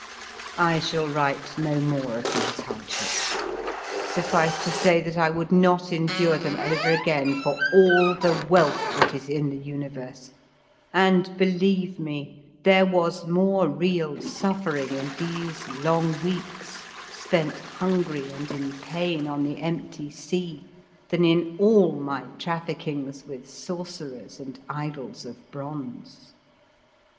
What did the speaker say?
I shall write no more of there hard ships, suffice to say that I would not endure them over again for all the wealth that is in the universe, and, believe me, there was more real suffer ing in these long weeks spent hungry and in pain on the empty sea than in all my traffickings with sorcerers and idols of bronze.